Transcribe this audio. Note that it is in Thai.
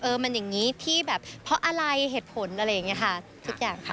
มันอย่างนี้ที่แบบเพราะอะไรเหตุผลอะไรอย่างนี้ค่ะทุกอย่างค่ะ